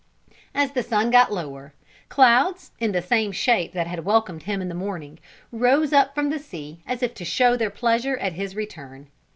As the sun got lower, clouds, the same in shape that had welcomed him in the morning, rose up from the sea as if to show their pleasure at his return.